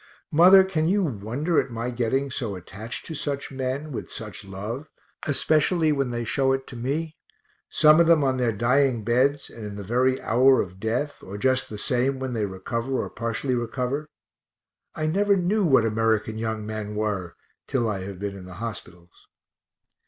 Mother, can you wonder at my getting so attached to such men, with such love, especially when they show it to me some of them on their dying beds, and in the very hour of death, or just the same when they recover, or partially recover? I never knew what American young men were till I have been in the hospitals.